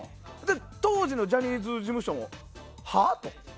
当時のジャニーズ事務所もはあ？